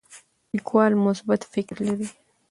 لیکوال مثبت فکر لري.